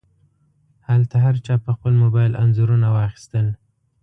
هلته هر چا په خپل موبایل انځورونه واخیستل.